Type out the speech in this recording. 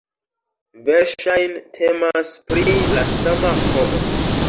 Verŝajne temas pri la sama homo.